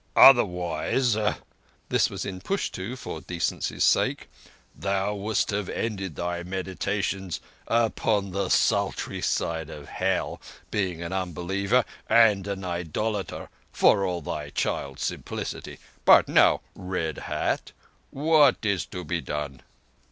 "Otherwise"—this was in Pushtu for decency's sake—"thou wouldst have ended thy meditations upon the sultry side of Hell—being an unbeliever and an idolater for all thy child's simplicity. But now, Red Hat, what is to be done?"